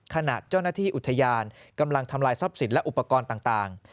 ขณะเจ้าหน้าที่อุทยานกำลังทำลายทรัพย์สินและอุปกรณ์ต่าง